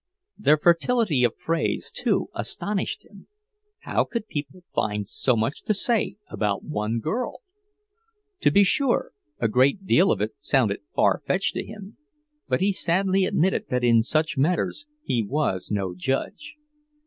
Their fertility of phrase, too, astonished him; how could people find so much to say about one girl? To be sure, a good deal of it sounded far fetched to him, but he sadly admitted that in such matters he was no judge.